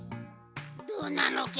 「どうなのけ？」